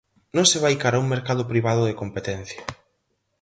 Non se vai cara a un mercado privado de competencia.